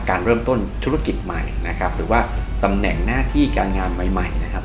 การเริ่มต้นธุรกิจใหม่นะครับหรือว่าตำแหน่งหน้าที่การงานใหม่ใหม่นะครับ